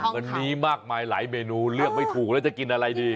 วันนี้มากมายหลายเมนูเลือกไม่ถูกแล้วจะกินอะไรดี